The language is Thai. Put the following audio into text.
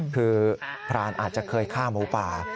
คือพรานอาจจะเคยฆ่าหมูป่า